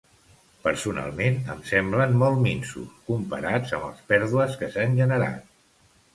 Personalment, em semblen molt minsos, comparats amb les pèrdues que s’han generat.